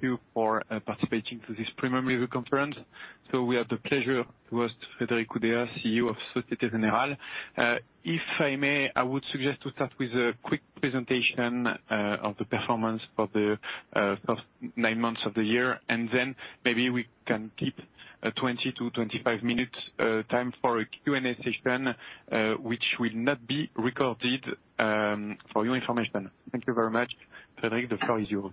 Thank you for participating to this premium level conference. We have the pleasure to host Frédéric Oudéa, CEO of Société Générale. If I may, I would suggest to start with a quick presentation of the performance for the first nine months of the year, and then maybe we can keep a 20-25 minutes time for a Q&A session, which will not be recorded, for your information. Thank you very much. Frédéric, the floor is yours.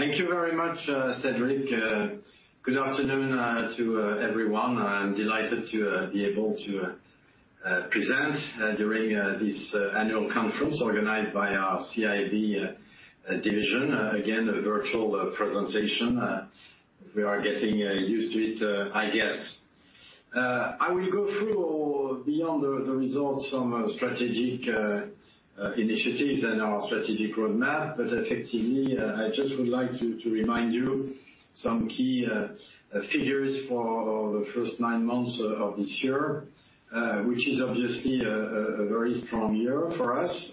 Thank you very much, Cedric. Good afternoon to everyone. I'm delighted to be able to present during this annual conference organized by our CIB division. Again, a virtual presentation. We are getting used to it, I guess. I will go through beyond the results from strategic initiatives and our strategic roadmap. Effectively, I just would like to remind you some key figures for the first nine months of this year, which is obviously a very strong year for us,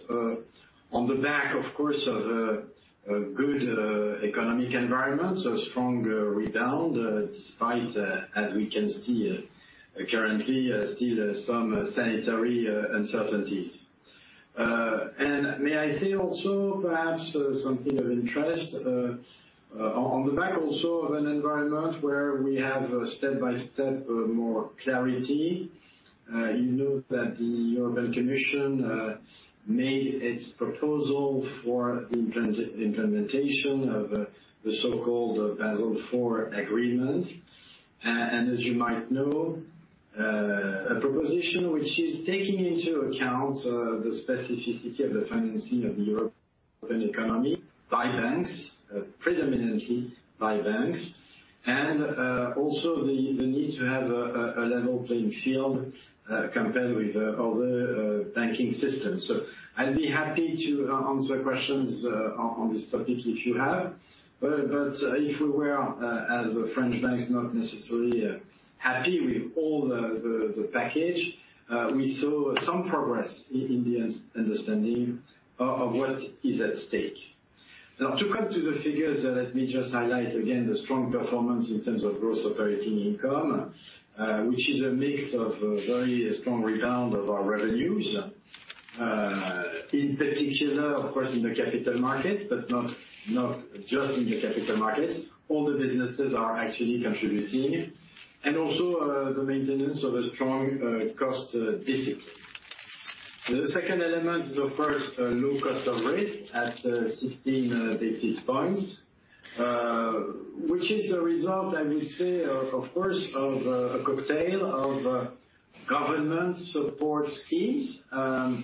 on the back, of course, of a good economic environment, so a strong rebound, despite, as we can see currently, still some sanitary uncertainties. May I say also perhaps something of interest on the back also of an environment where we have step-by-step more clarity. You know that the European Commission made its proposal for the implementation of the so-called Basel IV Agreement. As you might know, a proposition which is taking into account the specificity of the financing of the European economy by banks predominantly by banks, and also the need to have a level playing field compared with other banking systems. I'll be happy to answer questions on this topic if you have. If we were as French banks not necessarily happy with all the package, we saw some progress in the understanding of what is at stake. Now, to come to the figures, let me just highlight again the strong performance in terms of gross operating income, which is a mix of a very strong rebound of our revenues, in particular, of course, in the capital markets, but not just in the capital markets. All the businesses are actually contributing, and also, the maintenance of a strong, cost discipline. The second element is, of course, a low cost of risk at 16 basis points, which is the result, I will say, of course, of a cocktail of government support schemes,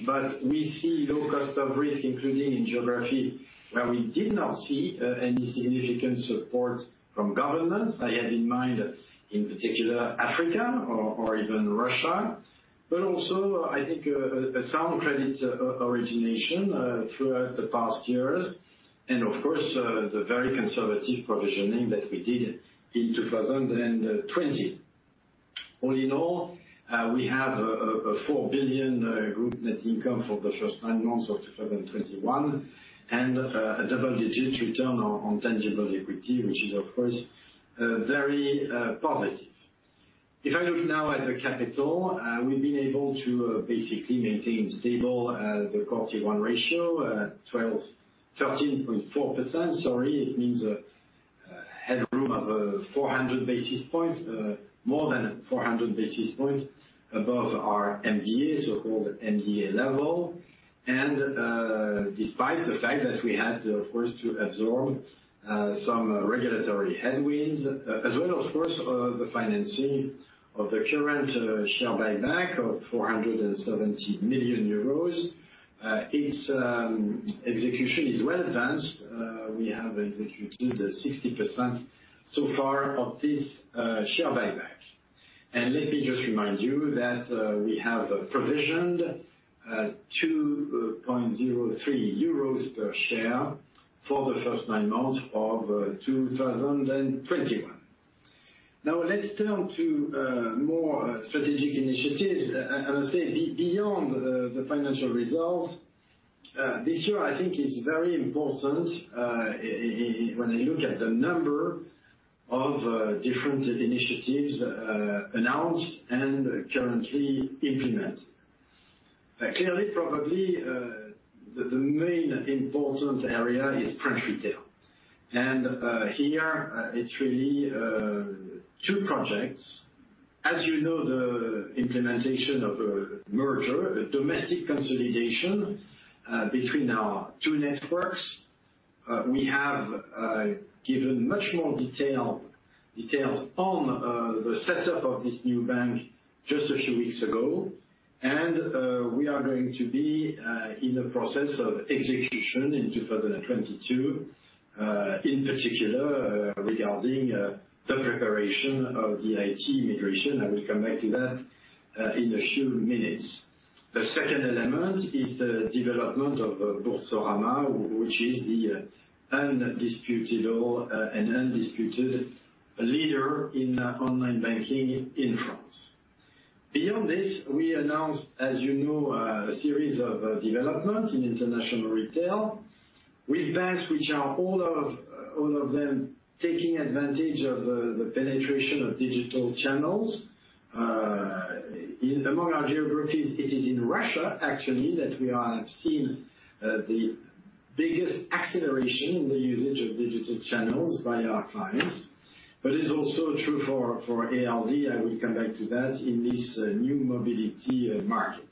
but we see low cost of risk, including in geographies where we did not see any significant support from governments. I have in mind, in particular, Africa or even Russia. Also, I think, a sound credit origination throughout the past years, and of course, the very conservative provisioning that we did in 2020. All in all, we have a 4 billion group net income for the first nine months of 2021, and a double-digit return on tangible equity, which is of course, very positive. If I look now at the capital, we've been able to basically maintain stable the CET1 ratio, 13.4%, sorry. It means a headroom of 400 basis points, more than 400 basis points above our MDA, so-called MDA level. Despite the fact that we had, of course, to absorb some regulatory headwinds, as well as, of course, the financing of the current share buyback of 470 million euros, its execution is well advanced. We have executed 60% so far of this share buyback. Let me just remind you that we have provisioned 2.03 euros per share for the first nine months of 2021. Now let's turn to more strategic initiatives. I would say beyond the financial results this year, I think it's very important when you look at the number of different initiatives announced and currently implemented. Clearly, probably, the main important area is French retail. Here, it's really two projects. As you know, the implementation of a merger, a domestic consolidation between our two networks. We have given much more details on the setup of this new bank just a few weeks ago, and we are going to be in a process of execution in 2022, in particular regarding the preparation of the IT migration. I will come back to that in a few minutes. The second element is the development of Boursorama, which is an undisputed leader in online banking in France. Beyond this, we announced, as you know, a series of developments in international retail with banks which are all of them taking advantage of the penetration of digital channels. Among our geographies, it is in Russia actually that we have seen the biggest acceleration in the usage of digital channels by our clients. It's also true for ALD. I will come back to that in this new mobility market.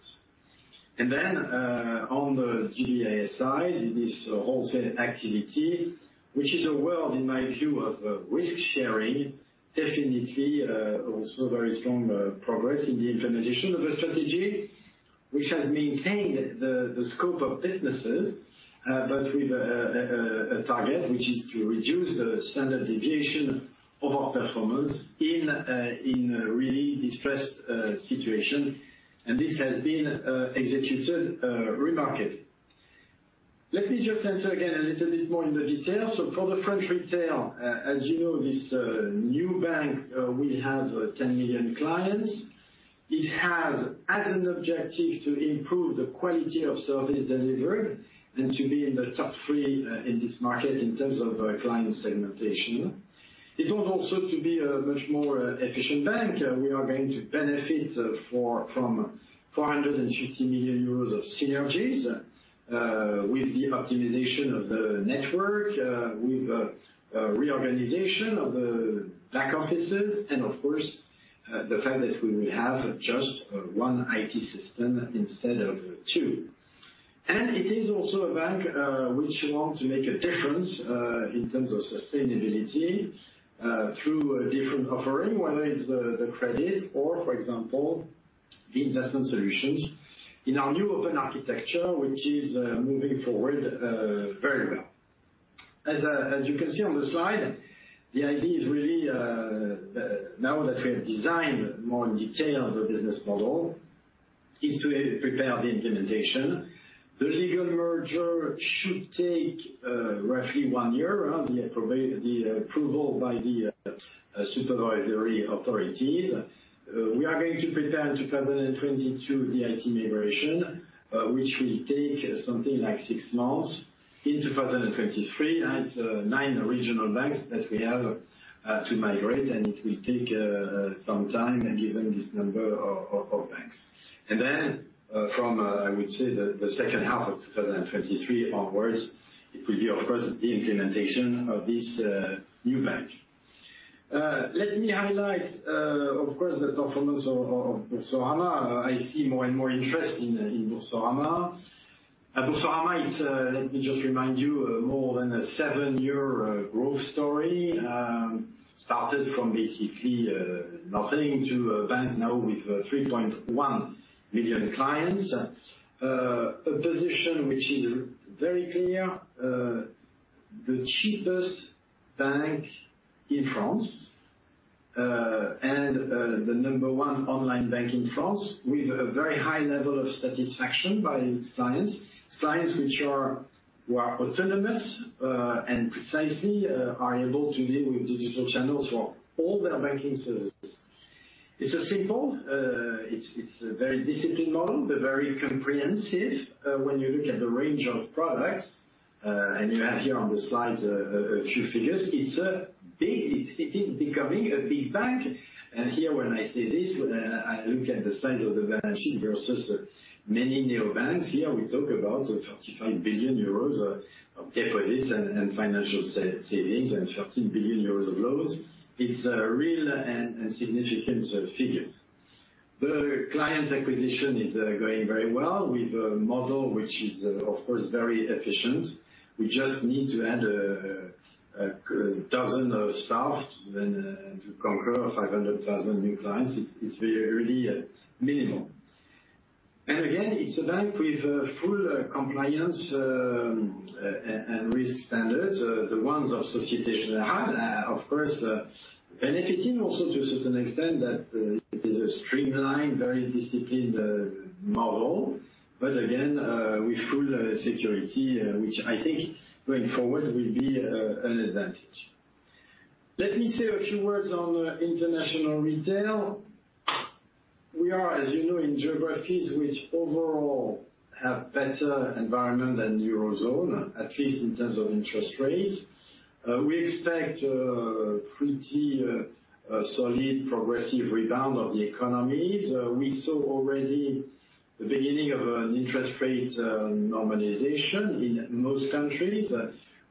On the GBIS side, this wholesale activity, which is a world, in my view, of risk sharing, definitely also very strong progress in the implementation of a strategy which has maintained the scope of businesses but with a target which is to reduce the standard deviation of our performance in a really distressed situation. This has been executed remarkably. Let me just enter again a little bit more in the detail. For the French retail, as you know, this new bank will have 10 million clients. It has as an objective to improve the quality of service delivered and to be in the top three in this market in terms of client segmentation. It wants also to be a much more efficient bank. We are going to benefit from 450 million euros of synergies with the optimization of the network, with a reorganization of the back offices and of course, the fact that we will have just one IT system instead of two. It is also a bank which want to make a difference in terms of sustainability through a different offering, whether it's the credit or for example the investment solutions in our new open architecture, which is moving forward very well. As you can see on the slide, the idea is really now that we have designed more in detail the business model, is to prepare the implementation. The legal merger should take roughly one year, around the approval by the supervisory authorities. We are going to prepare in 2022 the IT migration, which will take something like six months. In 2023, it's nine regional banks that we have to migrate, and it will take some time given this number of banks. From I would say the second half of 2023 onwards, it will be of course the implementation of this new bank. Let me highlight of course the performance of Boursorama. I see more and more interest in Boursorama. Boursorama is, let me just remind you, more than a seven-year growth story, started from basically nothing to a bank now with 3.1 million clients. A position which is very clear, the cheapest bank in France and the number one online bank in France with a very high level of satisfaction by its clients. Clients who are autonomous and precisely are able to deal with digital channels for all their banking services. It's a simple, it's a very disciplined model, but very comprehensive when you look at the range of products, and you have here on the slides a few figures. It's a big. It is becoming a big bank. Here, when I say this, I look at the size of the balance sheet versus many neobanks. Here, we talk about 45 billion euros of deposits and financial savings, and 13 billion euros of loans. It's real and significant figures. The client acquisition is going very well with a model which is, of course, very efficient. We just need to add a dozen of staff then to conquer 500,000 new clients. It's really minimal. Again, it's a bank with full compliance and risk standards, the ones of Société Générale, of course, benefiting also to a certain extent that it is a streamlined, very disciplined model. Again, with full security, which I think going forward will be an advantage. Let me say a few words on international retail. We are, as you know, in geographies which overall have better environment than Eurozone, at least in terms of interest rates. We expect pretty solid progressive rebound of the economies. We saw already the beginning of an interest rate normalization in most countries,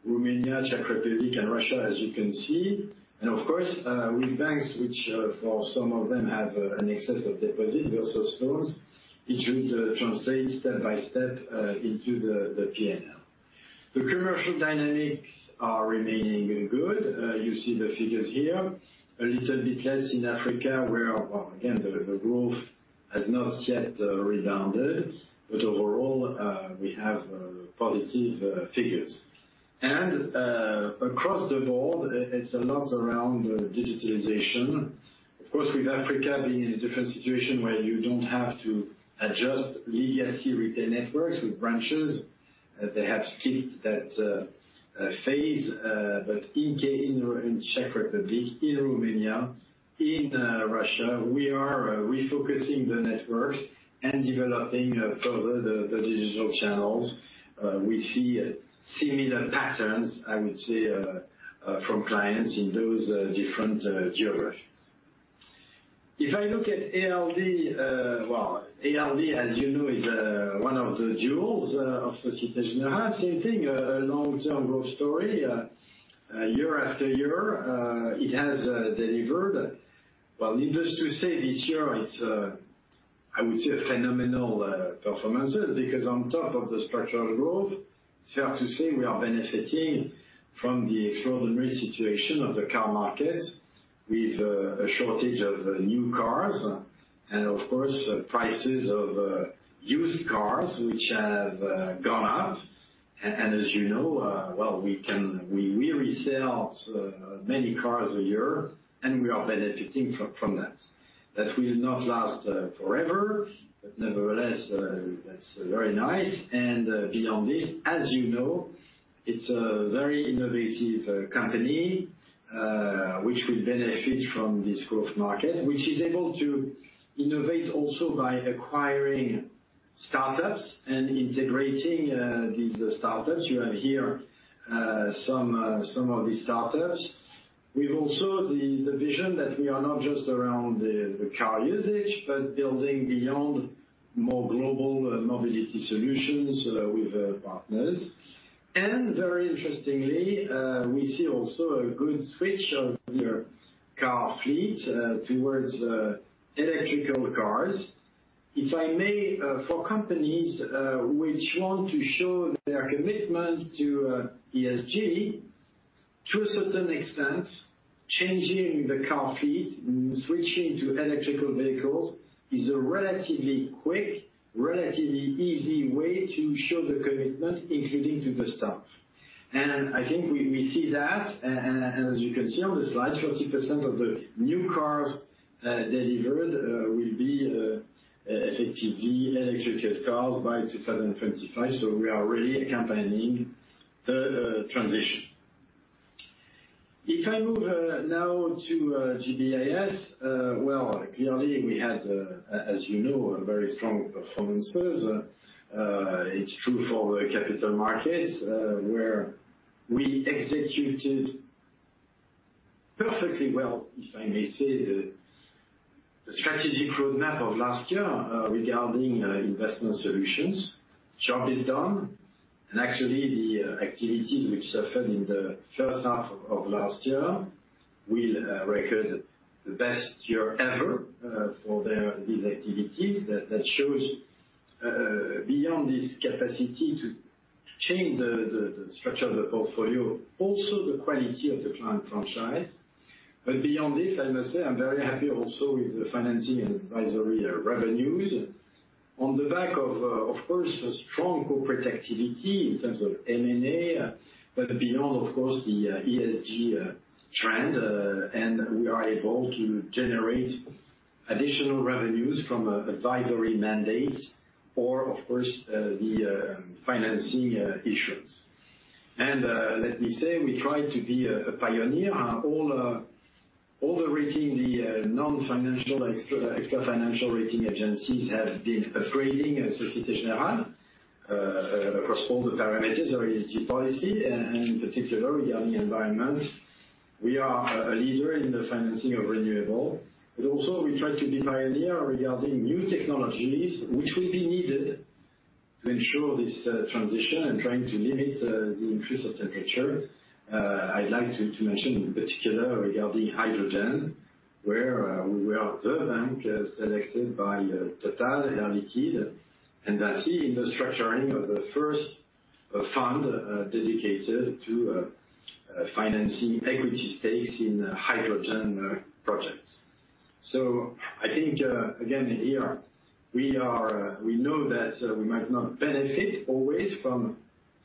Romania, Czech Republic, and Russia, as you can see. Of course, with banks which, for some of them have, an excess of deposits versus loans, it should translate step by step into the PNL. The commercial dynamics are remaining good. You see the figures here. A little bit less in Africa where, well, again, the growth has not yet rebounded. Overall, we have positive figures. Across the board, it's a lot around the digitalization. Of course, with Africa being in a different situation where you don't have to adjust legacy retail networks with branches, they have skipped that phase. In Czech Republic, in Romania, in Russia, we are refocusing the networks and developing further the digital channels. We see similar patterns, I would say, from clients in those different geographies. If I look at ALD, well, ALD, as you know, is one of the jewels of Société Générale. Same thing, a long-term growth story. Year-after-year, it has delivered. Well, needless to say, this year, it's I would say, a phenomenal performance because on top of the structural growth, it's fair to say we are benefiting from the extraordinary situation of the car market with a shortage of new cars and of course, prices of used cars which have gone up. And as you know, well, we resell many cars a year, and we are benefiting from that. That will not last forever, but nevertheless, that's very nice. Beyond this, as you know, it's a very innovative company which will benefit from this growth market, which is able to innovate also by acquiring startups and integrating these startups. You have here some of these startups. We've also the vision that we are not just around the car usage, but building beyond more global mobility solutions with partners. Very interestingly, we see also a good switch of their car fleet towards electric cars. If I may, for companies which want to show their commitment to ESG, to a certain extent, changing the car fleet, switching to electric vehicles is a relatively quick, relatively easy way to show the commitment, including to the staff. I think we see that and as you can see on the slide, 40% of the new cars delivered will be effectively electric cars by 2025. We are really accompanying the transition. If I move now to GBIS, well, clearly, we had, as you know, a very strong performance. It's true for the capital markets, where we executed perfectly well, if I may say, the strategic roadmap of last year, regarding investment solutions. Job is done. Actually, the activities which suffered in the first half of last year will record the best year ever for these activities. That shows, beyond this capacity to change the structure of the portfolio, also the quality of the client franchise. Beyond this, I must say, I'm very happy also with the financing and advisory revenues. On the back of course, a strong corporate activity in terms of M&A, but beyond, of course, the ESG trend, and we are able to generate additional revenues from advisory mandates or of course, the financing issuance. Let me say, we try to be a pioneer. All the non-financial extra-financial rating agencies have been upgrading Société Générale across all the parameters of ESG policy, and in particular, regarding environment. We are a leader in the financing of renewable. Also we try to be pioneer regarding new technologies which will be needed to ensure this transition and trying to limit the increase of temperature. I'd like to mention in particular regarding hydrogen, where we are the bank selected by TotalEnergies and Air Liquide, and thus in the structuring of the first fund dedicated to financing equity stakes in hydrogen projects. I think again here we are, we know that we might not benefit always from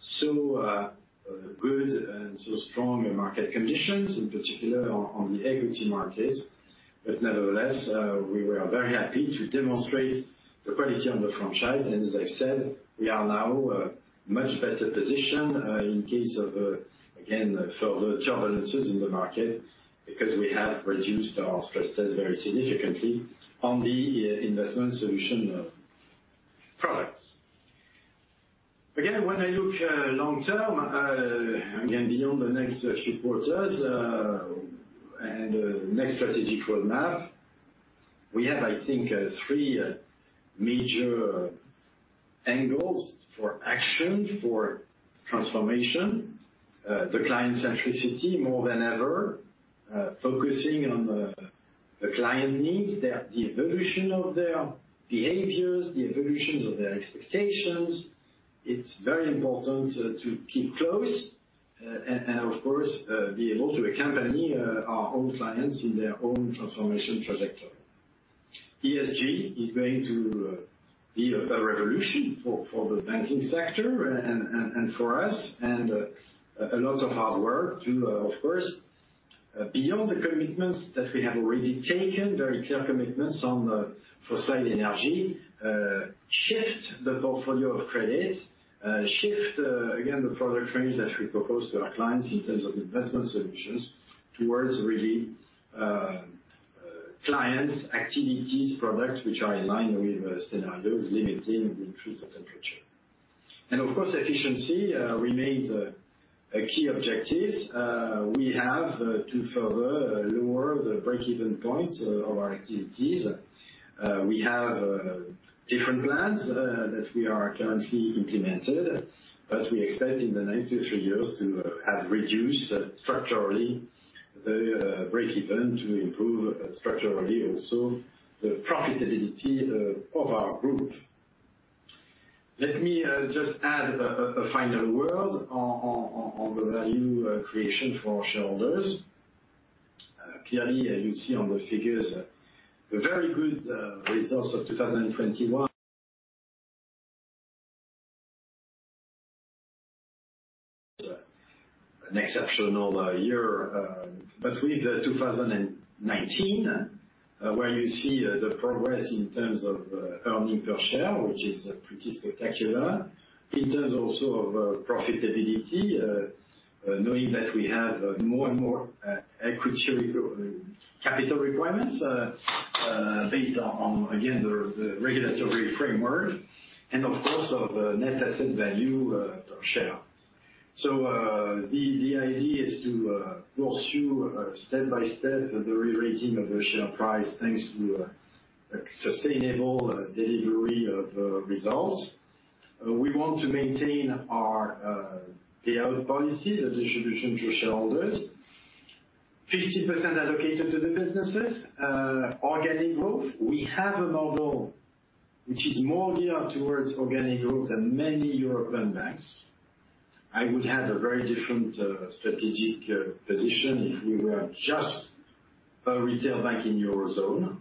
so good and so strong market conditions, in particular on the equity markets. Nevertheless, we were very happy to demonstrate the quality of the franchise. As I said, we are now much better positioned in case of again further turbulences in the market because we have reduced our stress test very significantly on the investment solution products. Again, when I look long-term, again, beyond the next few quarters and next strategic roadmap, we have, I think, three major angles for action, for transformation. The client centricity more than ever, focusing on the client needs, the evolution of their behaviors, the evolutions of their expectations. It's very important to keep close, and of course, be able to accompany our own clients in their own transformation trajectory. ESG is going to be a revolution for the banking sector and for us, and a lot of hard work to, of course, beyond the commitments that we have already taken, very clear commitments on the fossil energy, shift the portfolio of credits, shift again, the product range that we propose to our clients in terms of investment solutions towards really clients, activities, products, which are in line with the scenarios limiting the increase of temperature. Of course, efficiency remains a key objective. We have to further lower the break-even point of our activities. We have different plans that we are currently implemented, but we expect in the next three years to have reduced structurally the break-even to improve structurally also the profitability of our group. Let me just add a final word on the value creation for shareholders. Clearly, you see on the figures the very good results of 2021. An exceptional year between 2019, where you see the progress in terms of earnings per share, which is pretty spectacular. In terms also of profitability, knowing that we have more and more equity capital requirements based on again the regulatory framework and of course of net asset value per share. The idea is to pursue step by step the rerating of the share price, thanks to a sustainable delivery of results. We want to maintain our payout policy, the distribution to shareholders. 50% allocated to the businesses, organic growth. We have a model which is more geared towards organic growth than many European banks. I would have a very different strategic position if we were just a retail bank in Eurozone,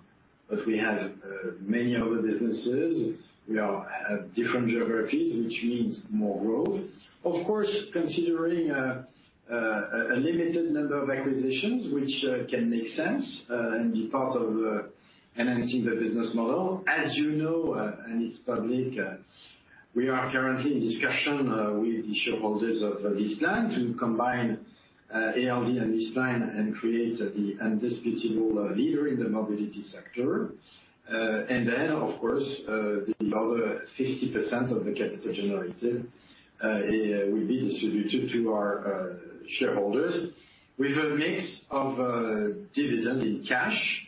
but we have many other businesses. We have different geographies, which means more growth. Of course, considering a limited number of acquisitions, which can make sense, and be part of enhancing the business model. As you know, and it's public, we are currently in discussion with the shareholders of LeasePlan to combine ALD and LeasePlan and create the indisputable leader in the mobility sector. Then, of course, the other 50% of the capital generated will be distributed to our shareholders with a mix of dividend in cash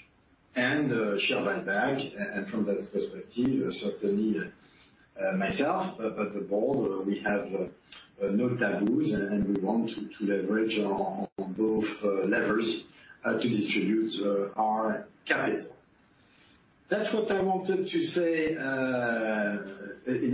and share buyback. From that perspective, certainly, myself, but the board, we have no taboos, and we want to leverage on both levers to distribute our capital. That's what I wanted to say.